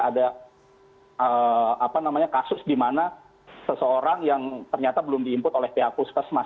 ada kasus di mana seseorang yang ternyata belum di input oleh pihak puskesmas